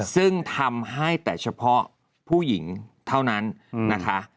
ซึ่งทำให้แต่เฉพาะผู้หญิงเท่านั้นนะคะ